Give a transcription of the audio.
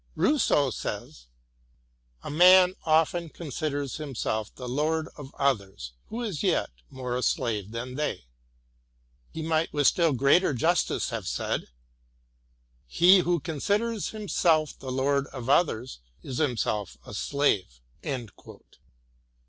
Rousseau says —" A man often considers himself the lord of others, who is yet more a slave than they." He might with still greater justice have said —" He who considers him self the lord of others is himself a slave."